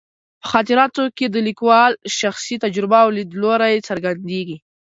په خاطراتو کې د لیکوال شخصي تجربې او لیدلوري څرګندېږي.